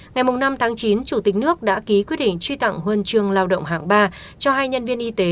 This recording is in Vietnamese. ngày năm tháng chín chủ tịch nước đã ký quyết định truy tặng huân chương lao động hạng ba cho hai nhân viên y tế